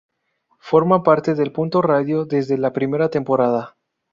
Forma parte de Punto Radio desde la primera temporada.